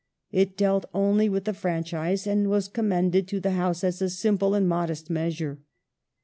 It dealt only with the franchise and was commended to the House as a simple and modest measure.